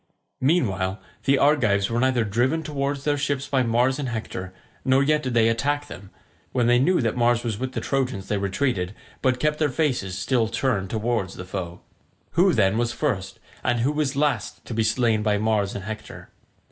Meanwhile the Argives were neither driven towards their ships by Mars and Hector, nor yet did they attack them; when they knew that Mars was with the Trojans they retreated, but kept their faces still turned towards the foe. Who, then, was first and who last to be slain by Mars and Hector?